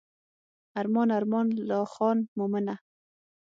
ارمان ارمان لا خان مومنه.